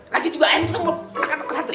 lagi juga ayam itu mau makan ke santri